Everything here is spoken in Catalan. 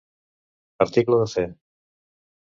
Article de fe.